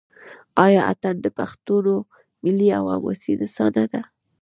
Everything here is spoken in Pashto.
آیا اټن د پښتنو ملي او حماسي نڅا نه ده؟